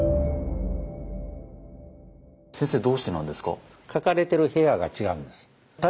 先生どうしてなんですか？